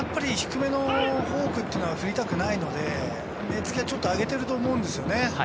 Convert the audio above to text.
低めのフォークというのは振りたくないので、目つけをちょっと上げてると思うんですよね。